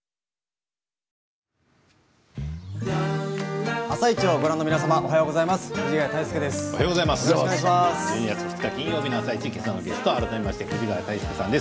「あさイチ」をご覧の皆様おはようございます。